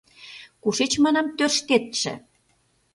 — Кушеч, манам, тӧрштетше?